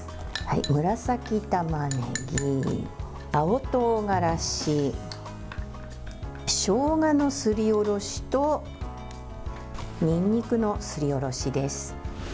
紫たまねぎ、青とうがらししょうがのすりおろしとにんにくのすりおろしです。